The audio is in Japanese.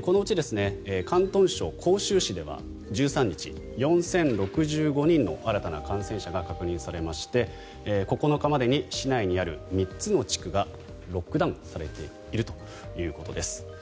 このうち広東省広州市では１３日４０６５人の新たな感染者が確認されまして９日までに市内にある３つの地区がロックダウンされているということです。